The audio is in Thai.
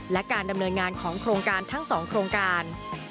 และการดำเนินงานของโครงการทั้ง๒โครงการ